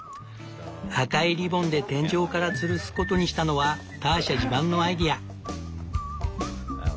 赤いリボンで天井からつるすことにしたのはターシャ自慢のアイデア。